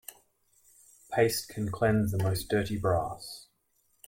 Paste can cleanse the most dirty brass.